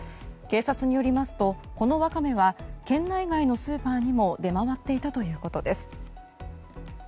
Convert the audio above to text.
警察によりますと、このワカメは県内外のスーパーにも出回っていたということです。